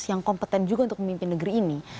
yang kompeten juga untuk memimpin negeri ini